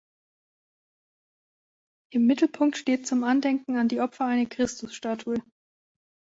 Im Mittelpunkt steht zum Andenken an die Opfer eine Christusstatue.